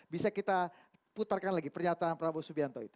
bisa kita putarkan lagi pernyataan prabowo subianto itu